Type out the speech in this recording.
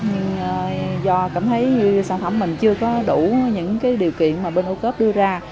nhưng do cảm thấy sản phẩm mình chưa có đủ những điều kiện mà bên âu cớp đưa ra